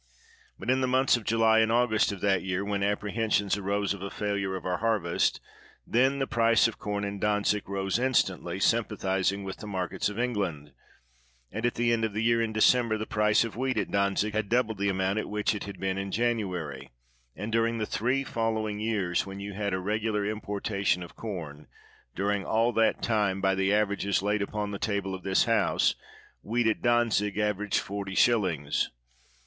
But in the months of July and August of that year, when apprehensions arose of a failure of our harvest, then the price of corn in Dantzic rose instantly, sjTnpathizing with the markets of England ; and at the end of the year, in December, the price of wheat at Dantzic had doubled the amount at which it had been in Jamxary; and during the three following years, when you had a regular importation of com, — during all that time, by the averages laid upon the table of this House, wheat at Dantzic averaged 40s.